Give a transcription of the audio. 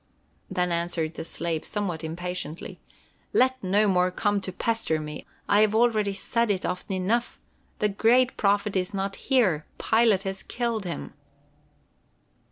Then answered the slave somewhat impatiently: "Let no more come to pester me! I have already said it often enough. The great Prophet is not here. Pilate has killed him."